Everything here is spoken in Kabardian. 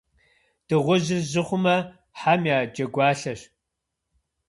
Дыгъужьыр жьы хъумэ, хьэм я джэгуалъэщ.